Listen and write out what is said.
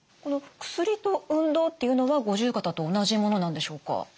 薬と運動っていうのは五十肩と同じものなんでしょうか？